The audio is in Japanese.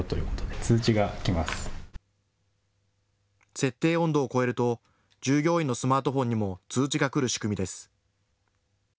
設定温度を超えると従業員のスマートフォンにも通知が来る仕組みです。